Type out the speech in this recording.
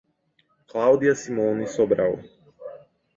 Cláudia Simone Sobral